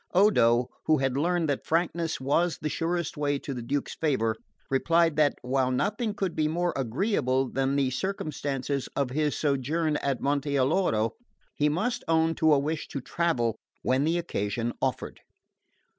Odo, who had learned that frankness was the surest way to the Duke's favour, replied that, while nothing could be more agreeable than the circumstances of his sojourn at Monte Alloro, he must own to a wish to travel when the occasion offered.